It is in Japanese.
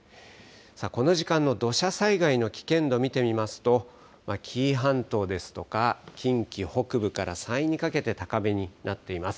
さあ、この時間の土砂災害の危険度、見てみますと、紀伊半島ですとか、近畿北部から山陰にかけて高めになっています。